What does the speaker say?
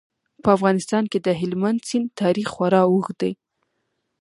په افغانستان کې د هلمند سیند تاریخ خورا اوږد دی.